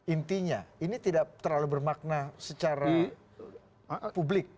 intinya ini tidak terlalu bermakna secara publik